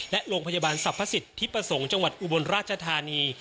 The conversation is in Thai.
และโรงพยาบาลศัพทศิษย์ที่ประสงค์จังหวัดอุบลราชธานี